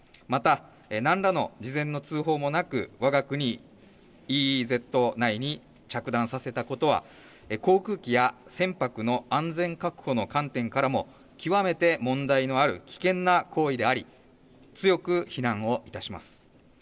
また、なんらの事前の通報もなく、わが国ＥＥＺ内に着弾させたことは、航空機や船舶の安全確保の観点からも、極めて問題のある危険な行為であり、強く非難をいたします。